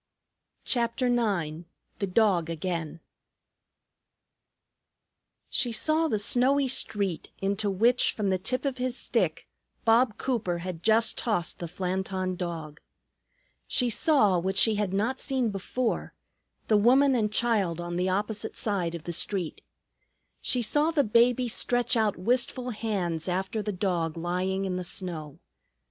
CHAPTER IX THE DOG AGAIN She saw the snowy street, into which, from the tip of his stick, Bob Cooper had just tossed the Flanton Dog. She saw, what she had not seen before, the woman and child on the opposite side of the street. She saw the baby stretch out wistful hands after the dog lying in the snow.